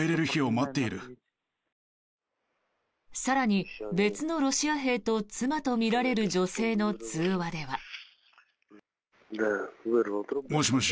更に、別のロシア兵と妻とみられる女性の通話では。